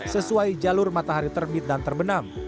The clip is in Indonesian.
sesuai jalur matahari terbit dan terbenam